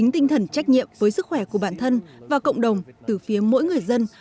thử nghiệm với sức khỏe của bản thân và cộng đồng từ phía mỗi người dân